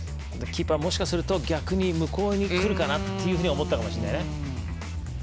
キーパー、もしかすると逆に向こうにくるかなって思ったかもしれないね。